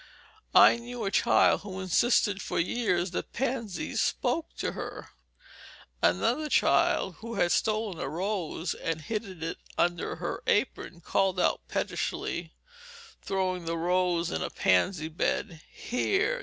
I knew a child who insisted for years that pansies spoke to her. Another child, who had stolen a rose, and hidden it under her apron, called out pettishly (throwing the rose in a pansy bed), "Here!